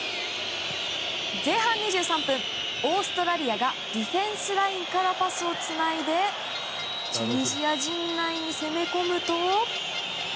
前半２３分、オーストラリアがディフェンスラインからパスをつないでチュニジア陣内に攻め込むと。